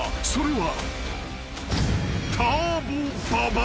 ［それは］